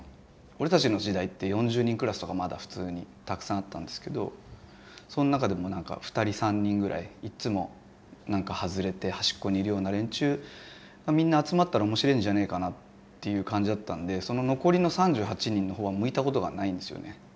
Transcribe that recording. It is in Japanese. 俺たちの時代って４０人クラスとかまだ普通にたくさんあったんですけどその中でもなんか２人３人ぐらいいっつもなんか外れて端っこにいるような連中がみんな集まったら面白えんじゃねえかなっていう感じだったんでその残りの３８人のほうは向いたことがないんですよね。